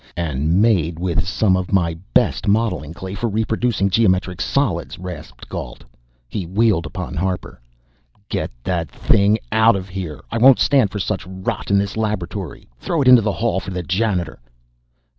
"And made with some of my best modeling clay for reproducing geometric solids!" rasped Gault. He wheeled upon Harper. "Get that thing out of here! I won't stand for such rot in this laboratory. Throw it into the hall for the janitor!"